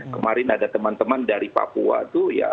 kemarin ada teman teman dari papua itu ya